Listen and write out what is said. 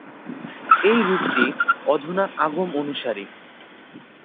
এই রূপটি অধুনা আগম-অনুসারী।